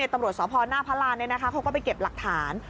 ตำรวจสพหน้าพระรานเขาก็ไปเก็บหลักฐาน